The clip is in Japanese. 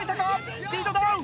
スピードダウン！